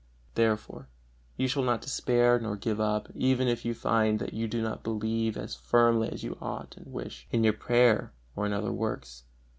Therefore you shall not despair, nor give up, even if you find that you do not believe as firmly as you ought and wish, in your prayer or in other works.